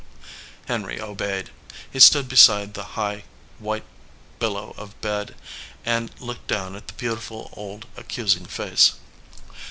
Henry obeyed. He stood beside the high, white billow of bed and looked down at the beautiful, old, accusing face.